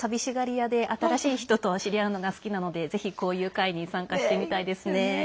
屋で新しい人と知り合うのが好きなのでぜひ、こういう会に参加してみたいです。